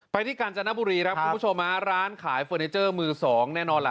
ที่กาญจนบุรีครับคุณผู้ชมฮะร้านขายเฟอร์นิเจอร์มือสองแน่นอนล่ะ